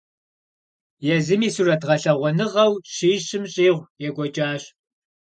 Езым и сурэт гъэлъэгъуэныгъэу щищым щӀигъу екӀуэкӀащ.